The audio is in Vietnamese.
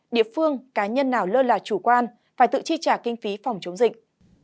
địa phương cá nhân nào lơ là chủ quan phải tự chi trả kinh phí phòng chống dịch